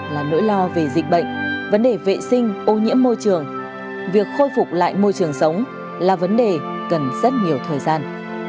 là nỗi lo về dịch bệnh vấn đề vệ sinh ô nhiễm môi trường việc khôi phục lại môi trường sống là vấn đề cần rất nhiều thời gian